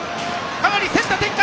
かなり競った展開。